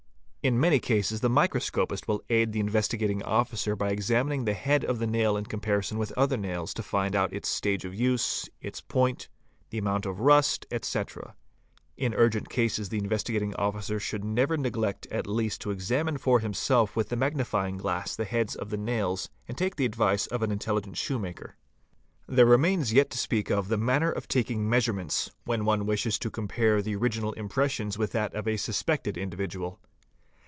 In many cases the microscopist will aid the Investigating Officer by ex amining the head of the nail in comparison with other nails to find out its stage of use, its point, the amount of rust, etc. In urgent cases the Investigating Officer should never neglect at least to examine for himself with the magnifying glass the heads of the nails and take the advice of an inteligent shoemaker. There remains yet to speak of the manner of taking measurements, when one wishes to compare the original impression with : that of a suspected individual.